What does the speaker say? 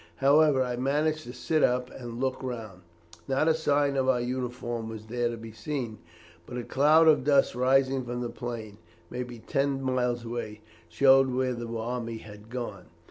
However, I managed to sit up and looked round. Not a sign of our uniform was there to be seen; but a cloud of dust rising from the plain, maybe ten miles away, showed where the army had gone.